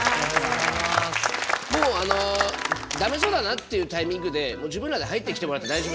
もうあの駄目そうだなっていうタイミングで自分らで入ってきてもらって大丈夫。